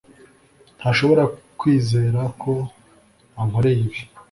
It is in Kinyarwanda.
ntashobora kwizera ko ankorera ibi